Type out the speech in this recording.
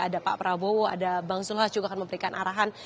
ada pak prabowo ada bang zulhas juga akan memberikan arahan